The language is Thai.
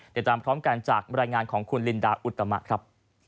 ติดตามพร้อมกันจากบรรยายงานของคุณลินดาอุตมะครับ